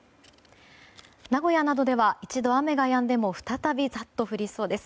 名古屋などでは一度雨がやんでも再びざっと降りそうです。